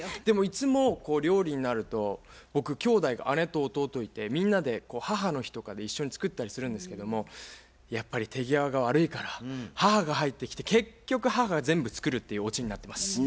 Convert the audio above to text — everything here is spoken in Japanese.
でもいつも料理になると僕きょうだいが姉と弟いてみんなで母の日とかで一緒に作ったりするんですけどもやっぱり手際が悪いから母が入ってきて結局母が全部作るっていうオチになってます。